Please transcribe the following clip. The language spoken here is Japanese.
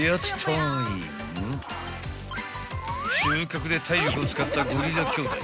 ［収穫で体力を使ったゴリラ兄弟］